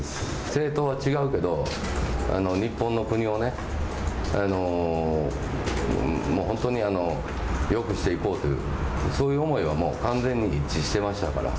政党は違うけど、日本の国をね、もう本当によくしていこうという、そういう思いはもう完全に一致してましたから。